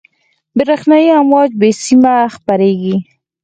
برېښنایي امواج بې سیمه خپرېږي.